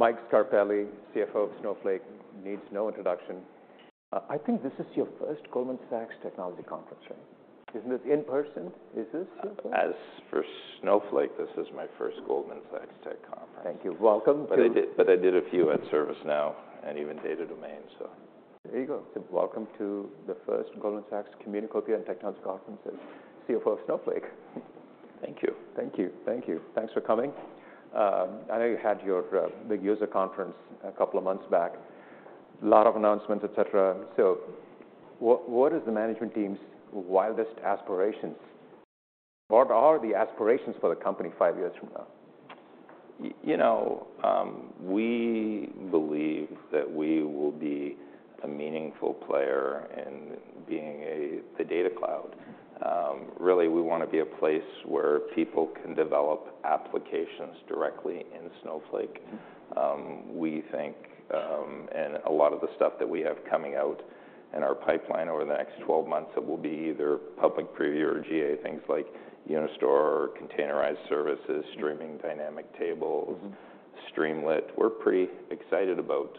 Mike Scarpelli, CFO of Snowflake, needs no introduction. I think this is your first Goldman Sachs Technology Conference, right? Isn't it in person? Is this? As for Snowflake, this is my first Goldman Sachs Tech Conference. Thank you. Welcome to- I did a few at ServiceNow, and even Data Domain, so. There you go. Welcome to the first Goldman Sachs Communacopia + Technology Conference, CFO of Snowflake. Thank you. Thank you, thank you. Thanks for coming. I know you had your big user conference a couple of months back, lot of announcements, et cetera. So what, what is the management team's wildest aspirations? What are the aspirations for the company five years from now? You know, we believe that we will be a meaningful player in being the data cloud. Really, we want to be a place where people can develop applications directly in Snowflake. Mm-hmm. We think, and a lot of the stuff that we have coming out in our pipeline over the- Mm... next twelve months, it will be either public preview or GA, things like Unistore or containerized services- Mm-hmm... streaming Dynamic Tables- Mm-hmm... Streamlit. We're pretty excited about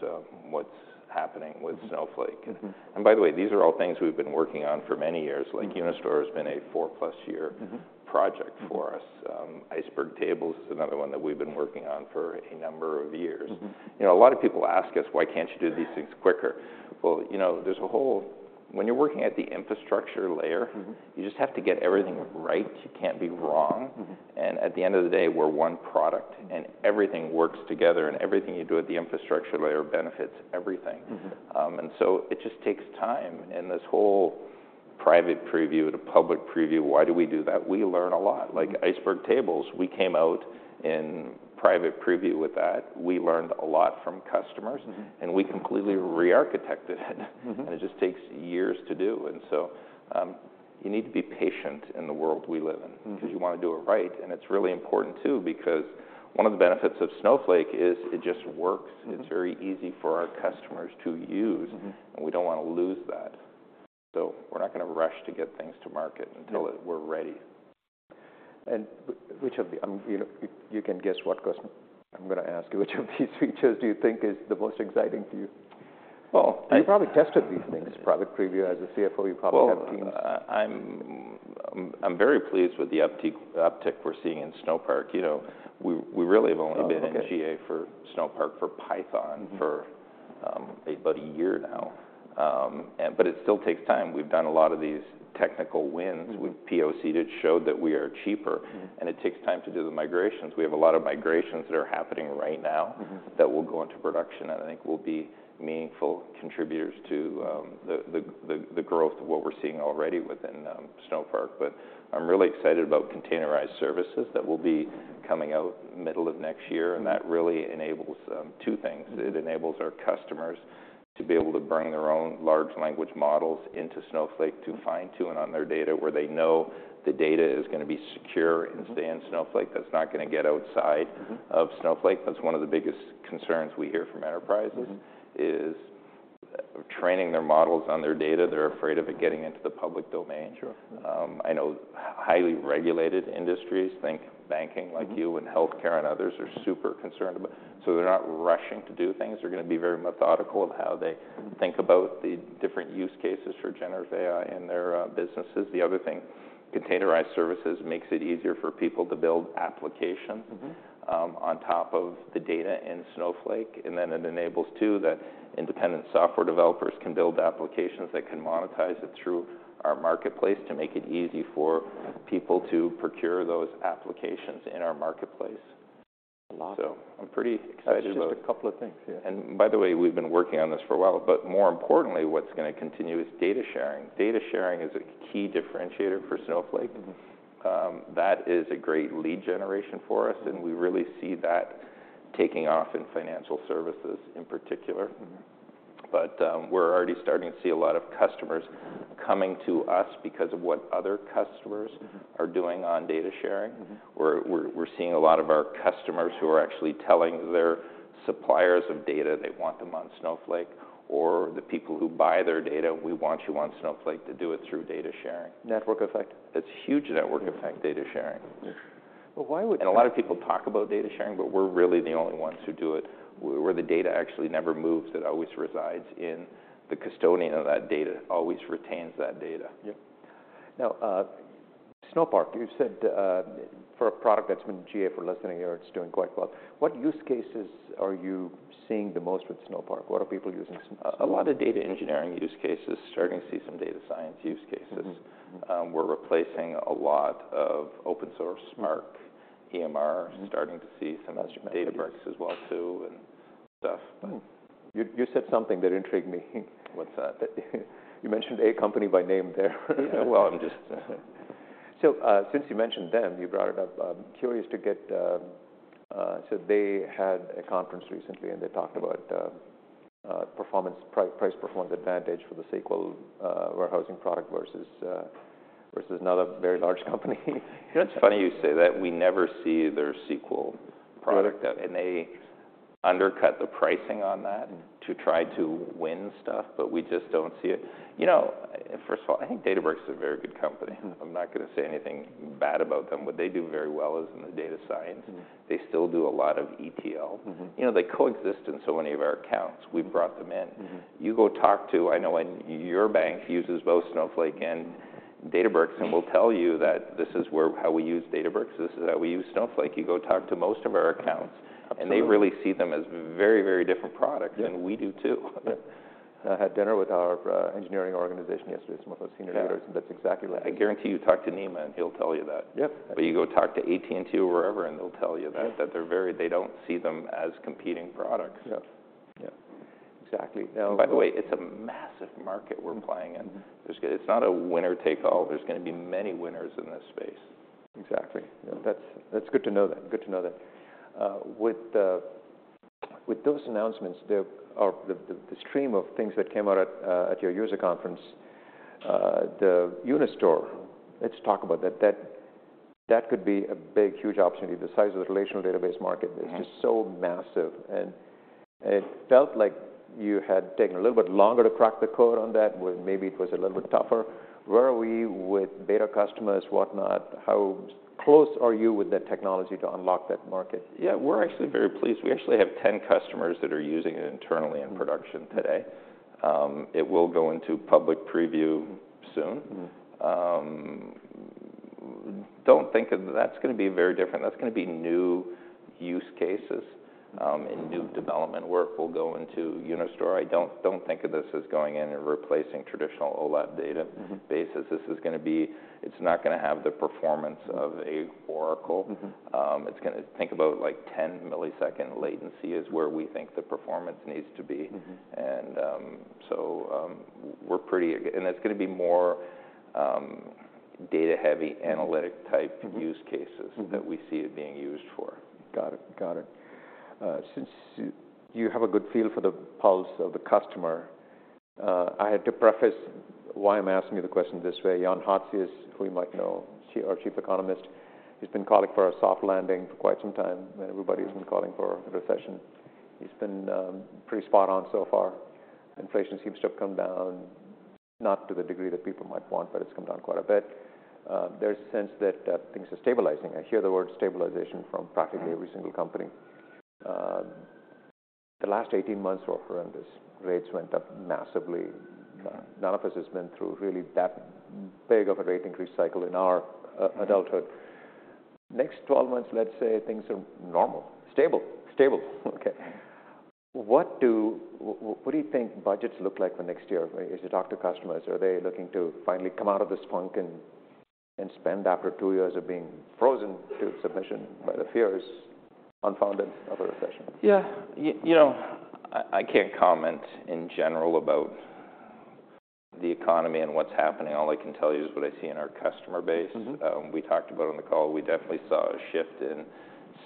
what's happening with Snowflake. Mm-hmm. Mm-hmm. By the way, these are all things we've been working on for many years. Mm-hmm. Like Unistore has been a 4+ year- Mm-hmm... project for us. Mm-hmm. Iceberg Tables is another one that we've been working on for a number of years. Mm-hmm. You know, a lot of people ask us: Why can't you do these things quicker? Well, you know, there's a whole... When you're working at the infrastructure layer- Mm-hmm... you just have to get everything right. You can't be wrong. Mm-hmm. At the end of the day, we're one product- Mm-hmm... and everything works together, and everything you do at the infrastructure layer benefits everything. Mm-hmm. And so it just takes time. And this whole private preview to public preview, why do we do that? We learn a lot. Mm-hmm. Like Iceberg Tables, we came out in private preview with that. We learned a lot from customers- Mm-hmm... and we completely re-architected it. Mm-hmm. It just takes years to do, and so, you need to be patient in the world we live in- Mm-hmm... because you want to do it right. It's really important, too, because one of the benefits of Snowflake is it just works. Mm-hmm. It's very easy for our customers to use- Mm-hmm... and we don't want to lose that. We're not going to rush to get things to market- No... until we're ready. Which of the, you know, you can guess what question I'm going to ask you. Which of these features do you think is the most exciting to you? Well, I- You probably tested these things, private preview. As a CFO, you probably have teams. Well, I'm very pleased with the uptick we're seeing in Snowpark. You know, we really have only been- Oh, okay... in GA for Snowpark for Python- Mm-hmm... for about a year now. It still takes time. We've done a lot of these technical wins- Mm-hmm... with POC to show that we are cheaper- Mm-hmm... and it takes time to do the migrations. We have a lot of migrations that are happening right now- Mm-hmm... that will go into production, and I think will be meaningful contributors to the growth of what we're seeing already within Snowpark. But I'm really excited about containerized services that will be coming out middle of next year, and that really enables two things. Mm-hmm. It enables our customers to be able to bring their own large language models into Snowflake to fine-tune on their data, where they know the data is going to be secure- Mm-hmm... and stay in Snowflake. That's not going to get outside- Mm-hmm... of Snowflake. That's one of the biggest concerns we hear from enterprises- Mm-hmm... is training their models on their data. They're afraid of it getting into the public domain. Sure. Mm-hmm. I know highly regulated industries, think banking- Mm-hmm... like you, and healthcare and others, are super concerned about, so they're not rushing to do things. They're going to be very methodical of how they- Mm-hmm... think about the different use cases for generative AI in their businesses. The other thing, containerized services makes it easier for people to build applications- Mm-hmm... on top of the data in Snowflake, and then it enables, too, that independent software developers can build applications that can monetize it through our marketplace to make it easy for people to procure those applications in our marketplace. A lot. So I'm pretty excited about it. That's just a couple of things, yeah. And by the way, we've been working on this for a while, but more importantly, what's going to continue is data sharing. Data sharing is a key differentiator for Snowflake. Mm-hmm. That is a great lead generation for us- Mm-hmm... and we really see that taking off in financial services in particular. Mm-hmm. But, we're already starting to see a lot of customers coming to us because of what other customers- Mm-hmm... are doing on data sharing. Mm-hmm. We're seeing a lot of our customers who are actually telling their suppliers of data, they want them on Snowflake, or the people who buy their data, "We want you on Snowflake to do it through data sharing. Network effect. It's huge network effect, data sharing. Yeah. Well, why would- A lot of people talk about data sharing, but we're really the only ones who do it, where the data actually never moves. It always resides in the custodian of that data, always retains that data. Yeah. Now, Snowpark, you said, for a product that's been GA for less than a year, it's doing quite well. What use cases are you seeing the most with Snowpark? What are people using it for? A lot of data engineering use cases. Mm-hmm. Starting to see some data science use cases. Mm-hmm. Mm-hmm. We're replacing a lot of open-source like EMR- Mm-hmm... starting to see some Databricks as well, too, and stuff. Mm-hmm. You, you said something that intrigued me. What's that? You mentioned a company by name there. Well, I'm just... So, since you mentioned them, you brought it up. Curious to get so they had a conference recently, and they talked about performance, price performance advantage for the SQL warehousing product versus versus another very large company. You know, it's funny you say that. We never see their SQL product- Yeah... and they undercut the pricing on that to try to win stuff, but we just don't see it. You know, first of all, I think Databricks is a very good company. Mm-hmm. I'm not gonna say anything bad about them. What they do very well is in the data science. Mm-hmm. They still do a lot of ETL. Mm-hmm. You know, they coexist in so many of our accounts. Mm-hmm. We've brought them in. Mm-hmm. You go talk to—I know, and your bank uses both Snowflake and Databricks, and will tell you that this is where, how we use Databricks, this is how we use Snowflake. You go talk to most of our accounts- Absolutely ... and they really see them as very, very different products. Yeah. We do, too. I had dinner with our engineering organization yesterday, some of our senior leaders- Yeah... and that's exactly right. I guarantee you talk to Nima, and he'll tell you that. Yep. But you go talk to AT&T or wherever, and they'll tell you- Yeah... that they're very-- they don't see them as competing products. Yep. Yep, exactly. Now- By the way, it's a massive market we're playing in. Mm-hmm, mm-hmm. It's not a winner-take-all. There's gonna be many winners in this space. Exactly. Yeah. That's, that's good to know that. Good to know that. With those announcements, there are the stream of things that came out at your user conference, the Unistore. Let's talk about that. That, that could be a big, huge opportunity. The size of the relational database market- Mm-hmm... is just so massive, and it felt like you had taken a little bit longer to crack the code on that, where maybe it was a little bit tougher. Where are we with beta customers, Whatnot? How close are you with that technology to unlock that market? Yeah, we're actually very pleased. We actually have 10 customers that are using it internally- Mm... in production today. It will go into public preview soon. Mm. Don't think of. That's gonna be very different. That's gonna be new use cases, and new development work will go into Unistore. I don't think of this as going in and replacing traditional OLAP data- Mm-hmm ...bases. This is gonna be. It's not gonna have the performance of a Oracle. Mm-hmm. It's gonna think about, like, 10 ms latency is where we think the performance needs to be. Mm-hmm. And so we're pretty and it's gonna be more data-heavy, analytic-type- Mm-hmm... use cases- Mm-hmm... that we see it being used for. Got it. Got it. Since you have a good feel for the pulse of the customer, I have to preface why I'm asking you the question this way. Jan Hatzius, who you might know, she's our Chief Economist, has been calling for a soft landing for quite some time. Mm-hmm. Everybody's been calling for a recession. He's been pretty spot on so far. Inflation seems to have come down, not to the degree that people might want, but it's come down quite a bit. There's a sense that things are stabilizing. I hear the word stabilization from practically- Mm... every single company. The last 18 months were horrendous. Rates went up massively. Yeah. None of us has been through really that big of a rate increase cycle in our... Mm... adulthood. Next 12 months, let's say things are normal, stable. Stable, okay. What do you think budgets look like for next year? As you talk to customers, are they looking to finally come out of this funk and spend after two years of being frozen to submission by the fears, unfounded, of a recession? Yeah. You know, I can't comment in general about the economy and what's happening. All I can tell you is what I see in our customer base. Mm-hmm. We talked about on the call, we definitely saw a shift in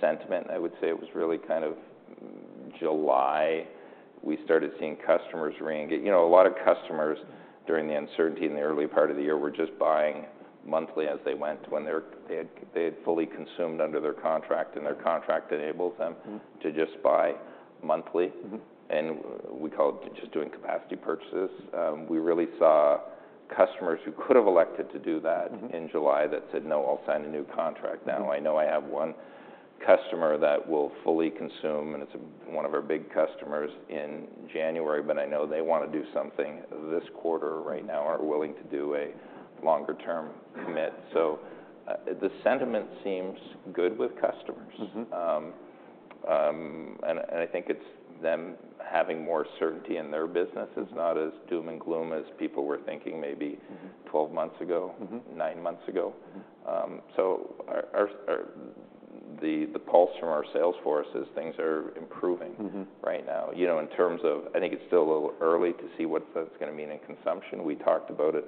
sentiment. I would say it was really kind of July, we started seeing customers ring. You know, a lot of customers, during the uncertainty in the early part of the year, were just buying monthly as they went, when they had fully consumed under their contract, and their contract enables them- Mm... to just buy monthly. Mm-hmm. We call it just doing capacity purchases. We really saw customers who could have elected to do that- Mm-hmm... in July, that said, "No, I'll sign a new contract now. Mm-hmm. I know I have one customer that will fully consume, and it's one of our big customers, in January, but I know they want to do something this quarter, right now, are willing to do a longer term commit. Mm. So, the sentiment seems good with customers. Mm-hmm. I think it's them having more certainty in their businesses, not as doom and gloom as people were thinking maybe. Mm-hmm... 12 months ago- Mm-hmm... nine months ago. Mm-hmm. So, the pulse from our sales force is things are improving- Mm-hmm... right now. You know, in terms of, I think it's still a little early to see what that's gonna mean in consumption. We talked about it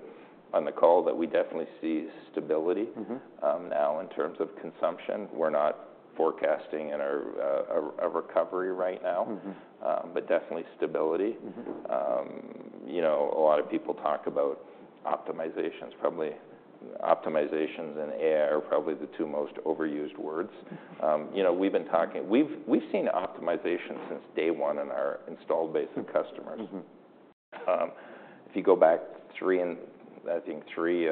on the call, that we definitely see stability- Mm-hmm... now, in terms of consumption. We're not forecasting in our recovery right now- Mm-hmm... but definitely stability. Mm-hmm. You know, a lot of people talk about optimizations. Probably optimizations and AI are probably the two most overused words. You know, we've seen optimization since day one in our installed base of customers. Mm-hmm. If you go back three, and I think three,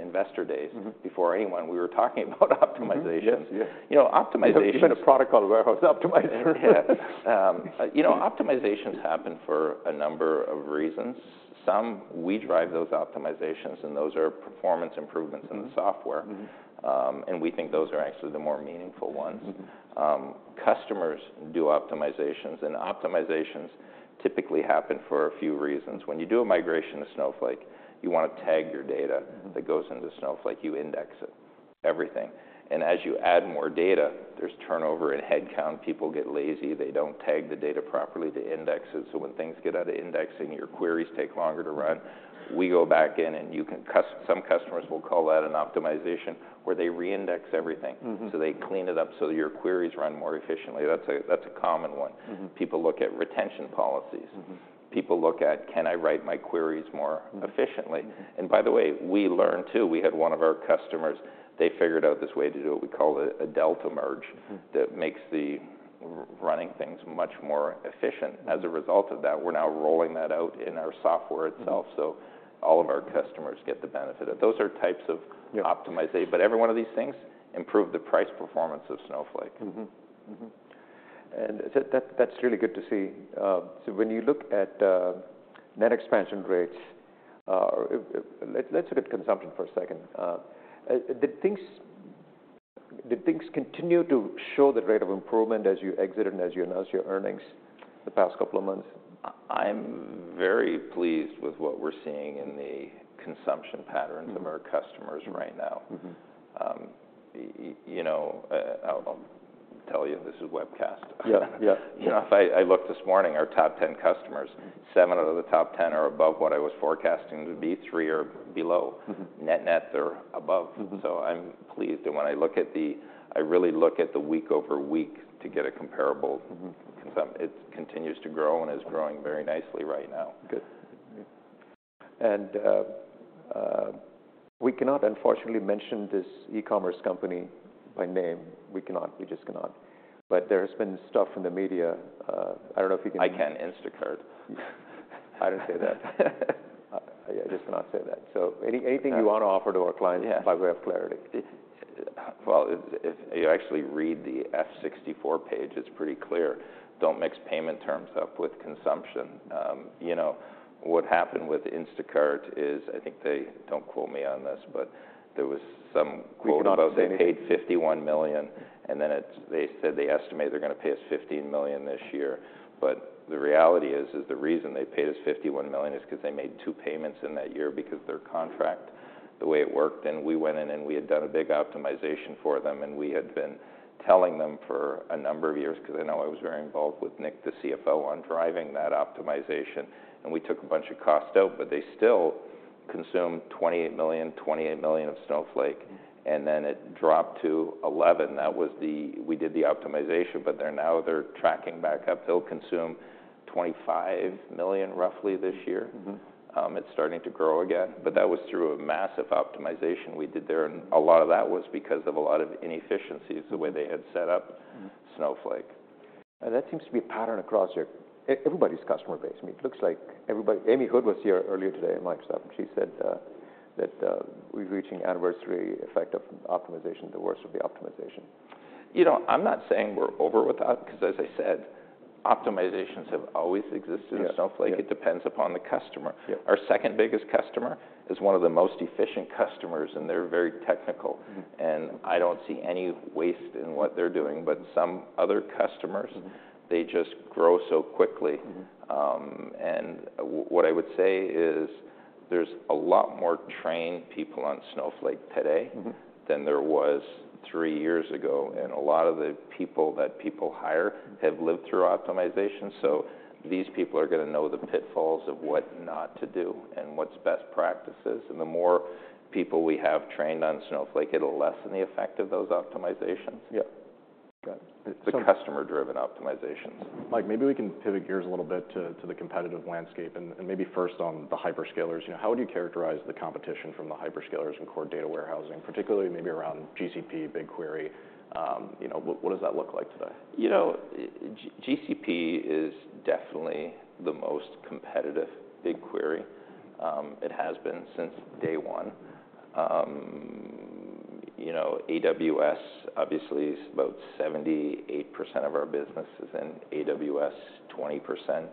Investor Days- Mm-hmm... before anyone, we were talking about optimization. Mm-hmm. Yeah, yeah. You know, optimization- We have a product called Warehouse Optimizer. Yeah. You know, optimizations happen for a number of reasons. Some we drive those optimizations, and those are performance improvements- Mm-hmm... in the software. Mm-hmm. We think those are actually the more meaningful ones. Mm-hmm. Customers do optimizations, and optimizations typically happen for a few reasons. When you do a migration to Snowflake, you want to tag your data- Mm-hmm ...that goes into Snowflake. You index it, everything, and as you add more data, there's turnover in headcount. People get lazy. They don't tag the data properly, the indexes, so when things get out of indexing, your queries take longer to run.... We go back in, and some customers will call that an optimization, where they re-index everything. Mm-hmm. So they clean it up so that your queries run more efficiently. That's a common one. Mm-hmm. People look at retention policies. Mm-hmm. People look at, "Can I write my queries more efficiently? Mm-hmm. And by the way, we learn, too. We had one of our customers, they figured out this way to do what we call a delta merge- Mm that makes running things much more efficient. As a result of that, we're now rolling that out in our software itself. Mm So all of our customers get the benefit it. Those are types of- Yeah - optimization, but every one of these things improve the price performance of Snowflake. Mm-hmm. Mm-hmm. And so that, that's really good to see. So when you look at net expansion rates, let's look at consumption for a second. Did things continue to show the rate of improvement as you exited and as you announced your earnings the past couple of months? I'm very pleased with what we're seeing in the consumption patterns. Mm of our customers right now. Mm-hmm. You know, I'll tell you, this is webcast. Yeah, yeah. You know, if I looked this morning, our top 10 customers- Mm... seven out of the top 10 are above what I was forecasting to be, three are below. Mm-hmm. Net-net, they're above. Mm-hmm. I'm pleased, and when I look at, I really look at the week-over-week to get a comparable- Mm-hmm 'Cause it continues to grow and is growing very nicely right now. Good. And, we cannot unfortunately mention this e-commerce company by name. We cannot, we just cannot. But there has been stuff in the media, I don't know if you can- I can. Instacart. I didn't say that. I just cannot say that. So any- Yeah... anything you want to offer to our clients- Yeah... by way of clarity? It, well, if you actually read the f.64 page, it's pretty clear, don't mix payment terms up with consumption. You know, what happened with Instacart is, I think they, don't quote me on this, but there was some quote- We cannot say anything.... about they paid $51 million, and then they said they estimate they're gonna pay us $15 million this year. But the reality is, the reason they paid us $51 million is 'cause they made two payments in that year because their contract, the way it worked, and we went in, and we had done a big optimization for them, and we had been telling them for a number of years, 'cause I know I was very involved with Nick, the CFO, on driving that optimization, and we took a bunch of costs out, but they still consumed $28 million, $28 million of Snowflake. Mm. Then it dropped to $11 million. That was the... We did the optimization, but now they're tracking back up. They'll consume $25 million, roughly, this year. Mm-hmm. It's starting to grow again, but that was through a massive optimization we did there, and a lot of that was because of a lot of inefficiencies the way they had set up- Mm - Snowflake. That seems to be a pattern across your everybody's customer base. I mean, it looks like everybody... Amy Hood was here earlier today at Microsoft, and she said that we're reaching anniversary effect of optimization, the worst of the optimization. You know, I'm not saying we're over with that, 'cause as I said, optimizations have always existed. Yeah, yeah... in Snowflake. It depends upon the customer. Yeah. Our second biggest customer is one of the most efficient customers, and they're very technical. Mm. And I don't see any waste in what they're doing, but some other customers- Mm ... they just grow so quickly. Mm-hmm. What I would say is, there's a lot more trained people on Snowflake today- Mm-hmm... than there was three years ago, and a lot of the people that people hire have lived through optimization. So these people are gonna know the pitfalls of what not to do and what's best practices, and the more people we have trained on Snowflake, it'll lessen the effect of those optimizations. Yep. Good. So- The customer-driven optimizations. Mike, maybe we can pivot gears a little bit to the competitive landscape, and maybe first on the hyperscalers. You know, how would you characterize the competition from the hyperscalers in core data warehousing, particularly maybe around GCP, BigQuery? You know, what does that look like today? You know, GCP is definitely the most competitive BigQuery. It has been since day one. You know, AWS obviously is about 78% of our business is in AWS, 20%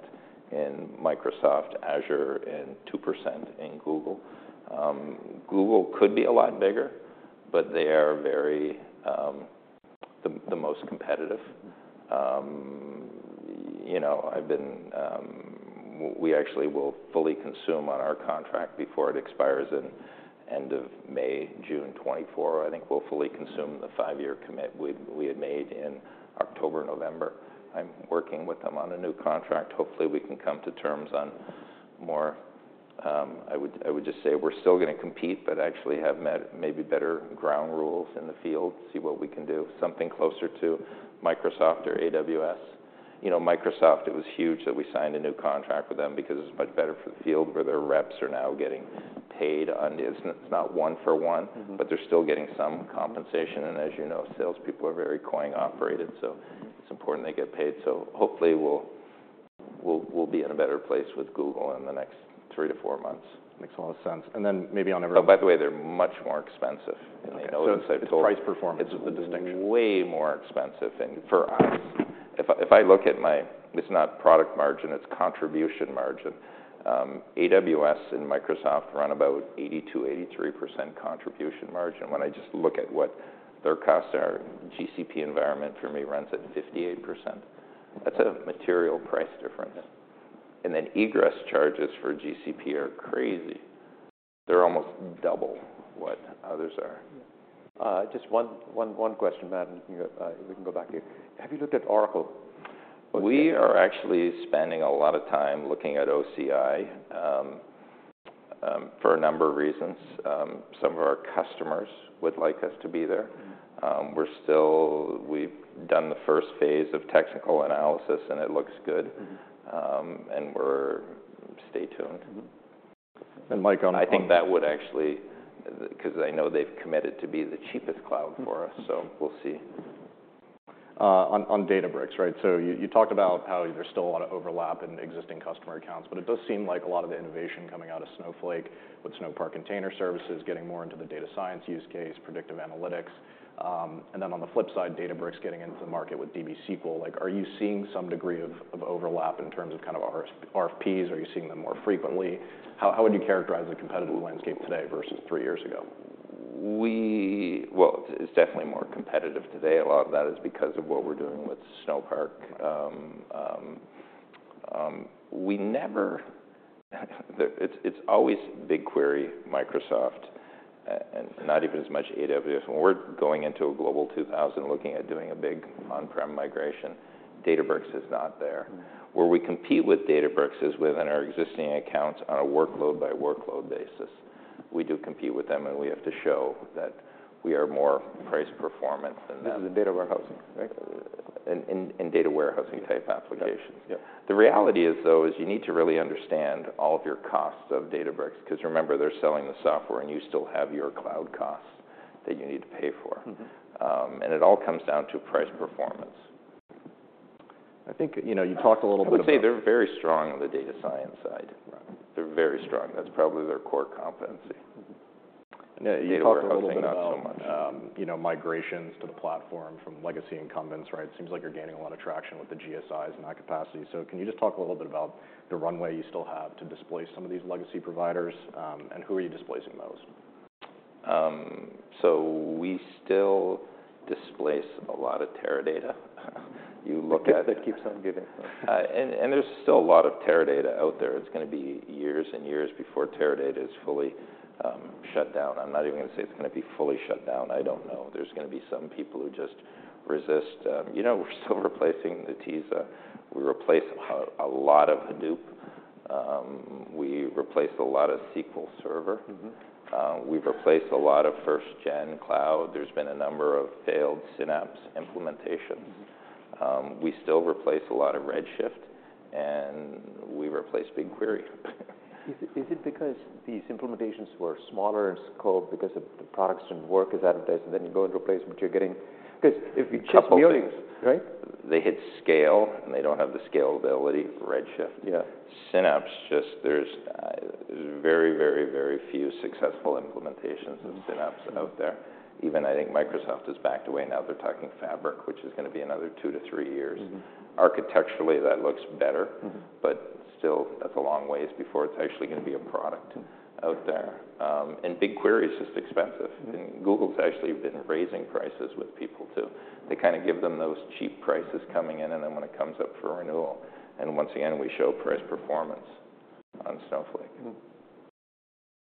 in Microsoft Azure, and 2% in Google. Google could be a lot bigger, but they are very, the most competitive. Mm. You know, I've been, we actually will fully consume on our contract before it expires in end of May, June 2024. I think we'll fully consume the five-year commit we, we had made in October, November. I'm working with them on a new contract. Hopefully, we can come to terms on more... I would, I would just say we're still gonna compete, but actually have met maybe better ground rules in the field, see what we can do, something closer to Microsoft or AWS. You know, Microsoft, it was huge that we signed a new contract with them because it's much better for the field, where their reps are now getting paid on the- it's not, it's not one for one- Mm-hmm... but they're still getting some compensation. As you know, salespeople are very coin-operated, so- Mm... it's important they get paid. So hopefully, we'll be in a better place with Google in the next 3-4 months. Makes a lot of sense. And then maybe I'll never- Oh, by the way, they're much more expensive. Okay. They know it, so- Its price-performance is the distinction. Way more expensive, and for us, if I look at my, it's not product margin, it's contribution margin, AWS and Microsoft run about 82-83% contribution margin. When I just look at what their costs are, GCP environment for me runs at 58%. Wow. That's a material price difference. Yeah. And then egress charges for GCP are crazy... they're almost double what others are. Yeah. Just one, one, one question, then, we can go back to you. Have you looked at Oracle? We are actually spending a lot of time looking at OCI, for a number of reasons. Some of our customers would like us to be there. Mm-hmm. We've done the first phase of technical analysis, and it looks good. Mm-hmm. Stay tuned. Mm-hmm. And Mike, on— I think that would actually, 'cause I know they've committed to be the cheapest cloud for us- Mm-hmm... so we'll see. On Databricks, right? So you talked about how there's still a lot of overlap in existing customer accounts, but it does seem like a lot of the innovation coming out of Snowflake, with Snowpark Container Services, getting more into the data science use case, predictive analytics. And then on the flip side, Databricks getting into the market with DB SQL. Like, are you seeing some degree of overlap in terms of kind of RFPs? Are you seeing them more frequently? How would you characterize the competitive landscape today versus three years ago? Well, it's definitely more competitive today. A lot of that is because of what we're doing with Snowpark. It's always BigQuery, Microsoft, and not even as much AWS. When we're going into a Global 2000, looking at doing a big on-prem migration, Databricks is not there. Mm-hmm. Where we compete with Databricks is within our existing accounts on a workload-by-workload basis. We do compete with them, and we have to show that we are more price-performant than them. This is a data warehousing, right? In data warehousing-type applications. Yep, yep. The reality is though, is you need to really understand all of your costs of Databricks, 'cause remember, they're selling the software, and you still have your cloud costs that you need to pay for. Mm-hmm. It all comes down to price performance. I think, you know, you talked a little bit about- I would say they're very strong on the data science side. Right. They're very strong. That's probably their core competency. Mm-hmm. Data warehousing, not so much. You talked a little bit about, you know, migrations to the platform from legacy incumbents, right? It seems like you're gaining a lot of traction with the GSIs and that capacity. So can you just talk a little bit about the runway you still have to displace some of these legacy providers? And who are you displacing the most? So, we still displace a lot of Teradata. You look at- The gift that keeps on giving. And there's still a lot of Teradata out there. It's gonna be years and years before Teradata is fully shut down. I'm not even gonna say it's gonna be fully shut down. I don't know. There's gonna be some people who just resist. You know, we're still replacing Netezza. We replace a lot of Hadoop. We replace a lot of SQL Server. Mm-hmm. We've replaced a lot of first-gen cloud. There's been a number of failed Synapse implementations. Mm-hmm. We still replace a lot of Redshift, and we replace BigQuery. Is it, is it because these implementations were smaller in scope, because the products and work is out of date, and then you go into a place where you're getting... 'Cause if you- Couple things. Right? They hit scale, and they don't have the scalability. Redshift. Yeah. Synapse, just there's very, very, very few successful implementations- Mm-hmm... of Synapse out there. Even I think Microsoft has backed away. Now they're talking Fabric, which is gonna be another 2-3 years. Mm-hmm. Architecturally, that looks better. Mm-hmm. But still, that's a long ways before it's actually gonna be a product. Mm-hmm... out there. BigQuery is just expensive. Mm-hmm. Google's actually been raising prices with people, too. They kind of give them those cheap prices coming in, and then when it comes up for renewal, and once again, we show price performance on Snowflake.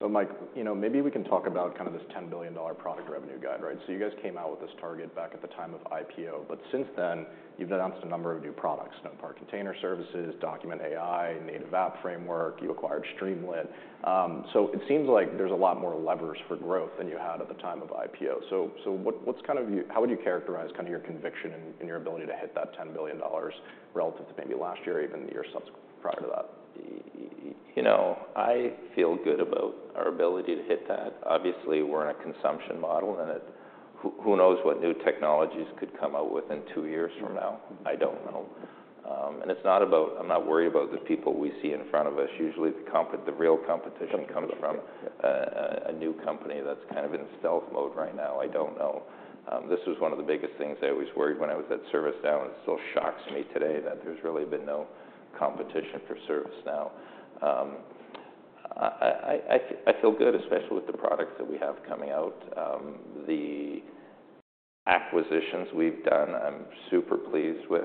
Mm-hmm. So Mike, you know, maybe we can talk about kind of this $10 billion product revenue guide, right? So you guys came out with this target back at the time of IPO, but since then, you've announced a number of new products, Snowpark Container Services, Document AI, Native App Framework, you acquired Streamlit. So it seems like there's a lot more levers for growth than you had at the time of IPO. So, so what, what's kind of your-- How would you characterize kind of your conviction in, in your ability to hit that $10 billion relative to maybe last year or even the year subsequent, prior to that? You know, I feel good about our ability to hit that. Obviously, we're in a consumption model, and it, who knows what new technologies could come out within two years from now? Mm-hmm. I don't know. And it's not about... I'm not worried about the people we see in front of us. Usually, the real competition- Competition... comes from a new company that's kind of in stealth mode right now. I don't know. This was one of the biggest things I always worried when I was at ServiceNow, and it still shocks me today that there's really been no competition for ServiceNow. I feel good, especially with the products that we have coming out. The acquisitions we've done, I'm super pleased with,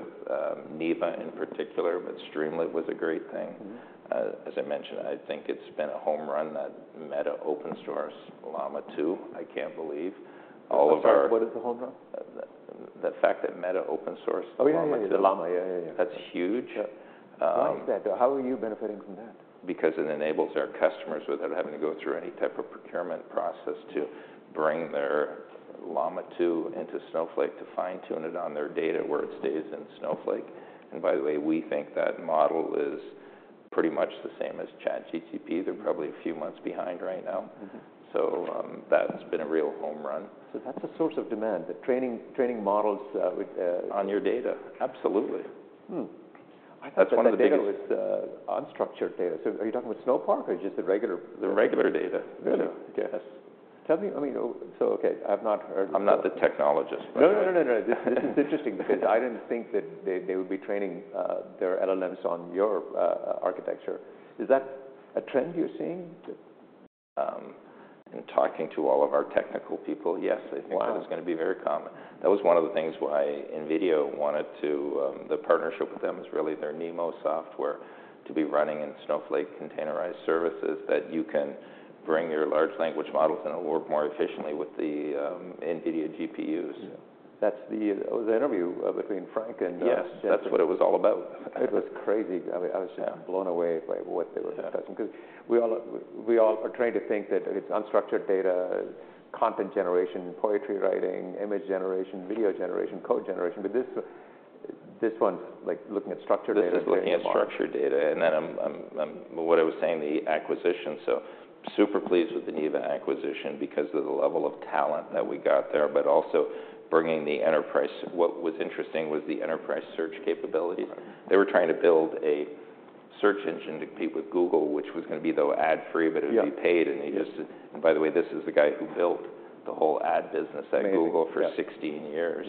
Neeva in particular, but Streamlit was a great thing. Mm-hmm. As I mentioned, I think it's been a home run that Meta open-sourced Llama 2. I can't believe all of our- I'm sorry, what is a home run? The fact that Meta open-sourced Llama 2. Oh, yeah, yeah, yeah. The Llama. Yeah, yeah, yeah. That's huge. Yeah. Um- Why is that, though? How are you benefiting from that? Because it enables our customers, without having to go through any type of procurement process, to bring their Llama 2 into Snowflake, to fine-tune it on their data, where it stays in Snowflake. And by the way, we think that model is pretty much the same as ChatGPT. They're probably a few months behind right now. Mm-hmm. That's been a real home run. So that's a source of demand, the training, training models, with- On your data, absolutely. Hmm. That's one of the biggest- I thought that data was unstructured data. So are you talking about Snowpark or just the regular? The regular data. Really? Yes. Tell me, I mean, so, okay, I've not heard- I'm not the technologist, but- No, no, no, no, no. This, this is interesting because I didn't think that they, they would be training their LLMs on your architecture. Is that a trend you're seeing?... in talking to all of our technical people, yes, I think- Wow! It is going to be very common. That was one of the things why NVIDIA wanted to, the partnership with them is really their NeMo software to be running in Snowpark Container Services, that you can bring your large language models and it'll work more efficiently with the NVIDIA GPUs. Oh, the interview between Frank and Yes, that's what it was all about. It was crazy. I mean, I was- Yeah... blown away by what they were discussing. 'Cause we all, we all are trained to think that it's unstructured data, content generation, poetry writing, image generation, video generation, code generation, but this, this one's, like, looking at structured data- This is looking at structured data, and then what I was saying, the acquisition, so super pleased with the Neeva acquisition because of the level of talent that we got there, but also bringing the enterprise. What was interesting was the enterprise search capabilities. Right. They were trying to build a search engine to compete with Google, which was gonna be, though, ad-free- Yeah... but it would be paid. Yeah. And by the way, this is the guy who built the whole ad business at Google. Amazing... for 16 years.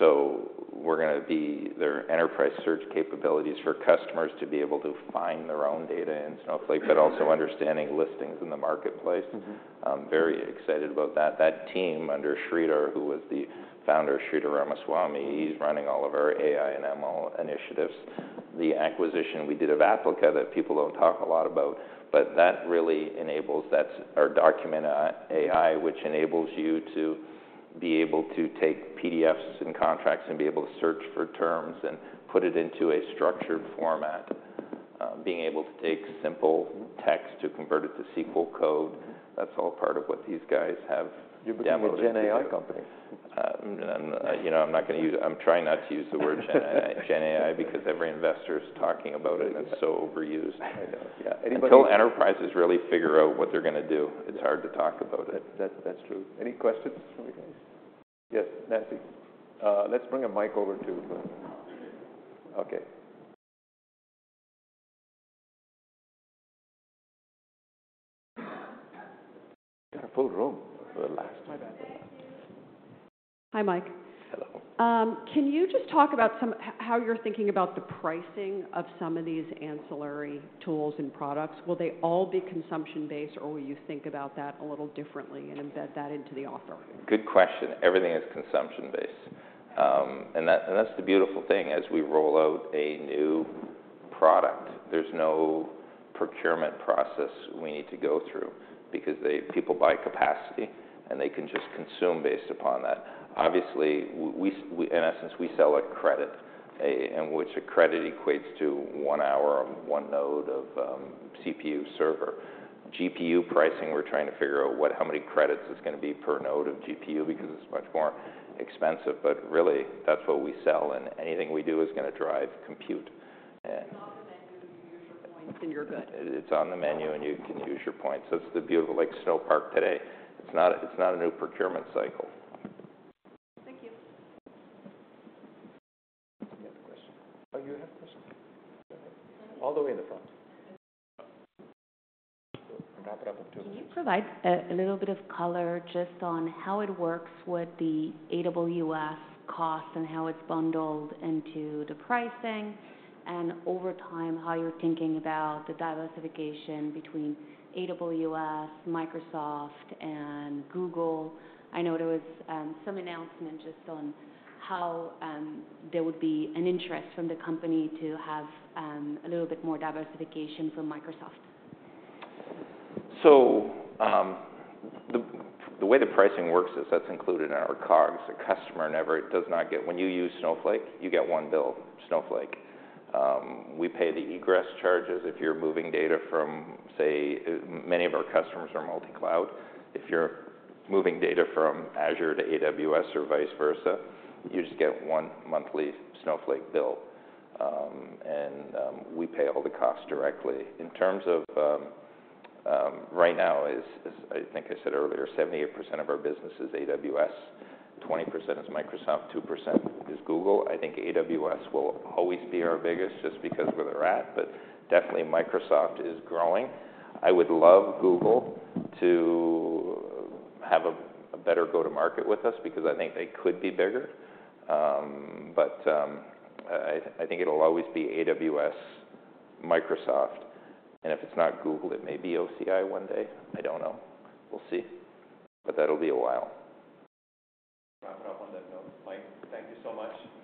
Yeah. We're gonna be their enterprise search capabilities for customers to be able to find their own data in Snowflake. Mm-hmm... but also understanding listings in the marketplace. Mm-hmm. I'm very excited about that. That team under Sridhar, who was the founder, Sridhar Ramaswamy, he's running all of our AI and ML initiatives. The acquisition we did of Applica, that people don't talk a lot about, but that really enables. That's our document AI, which enables you to be able to take PDFs and contracts, and be able to search for terms and put it into a structured format. Being able to take simple text to convert it to SQL code, that's all part of what these guys have downloaded. You're becoming a GenAI company. you know, I'm not gonna use—I'm trying not to use the word GenAI... because every investor is talking about it, and it's so overused. I know. Yeah, anybody- Until enterprises really figure out what they're gonna do, it's hard to talk about it. That, that's true. Any questions from you guys? Yes, Nancy. Let's bring a mic over to her. Okay. We got a full room for the last time. Thank you. Hi, Mike. Hello. Can you just talk about how you're thinking about the pricing of some of these ancillary tools and products? Will they all be consumption-based, or will you think about that a little differently and embed that into the offer? Good question. Everything is consumption-based. And that, and that's the beautiful thing. As we roll out a new product, there's no procurement process we need to go through because they, people buy capacity, and they can just consume based upon that. Obviously, we, in essence, we sell a credit, in which a credit equates to one hour on one node of CPU server. GPU pricing, we're trying to figure out how many credits it's gonna be per node of GPU, because it's much more expensive. But really, that's what we sell, and anything we do is gonna drive compute. And- It's on the menu, you use your points, and you're good. It's on the menu, and you can use your points. So it's the beautiful, like Snowpark today, it's not a new procurement cycle. Thank you. You had a question? Oh, you had a question. All the way in the front. Wrap it up in two- Can you provide a little bit of color just on how it works with the AWS costs, and how it's bundled into the pricing, and over time, how you're thinking about the diversification between AWS, Microsoft, and Google? I know there was some announcement just on how there would be an interest from the company to have a little bit more diversification from Microsoft. So, the way the pricing works is that's included in our cars The customer never, does not get... When you use Snowflake, you get one bill: Snowflake. We pay the egress charges if you're moving data from, say, many of our customers are multi-cloud. If you're moving data from Azure to AWS or vice versa, you just get one monthly Snowflake bill, and we pay all the costs directly. In terms of, right now, as I think I said earlier, 78% of our business is AWS, 20% is Microsoft, 2% is Google. I think AWS will always be our biggest just because of where they're at, but definitely Microsoft is growing. I would love Google to have a better go-to-market with us, because I think they could be bigger. I think it'll always be AWS, Microsoft, and if it's not Google, it may be OCI one day. I don't know. We'll see, but that'll be a while. Wrap it up on that note. Mike, thank you so much.